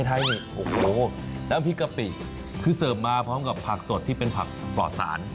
ไทยโอ้โหน้ำพริกกะปิคือเสิร์ฟมาพร้อมกับผักสดที่เป็นผักปลอดสาร